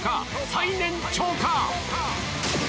最年長か？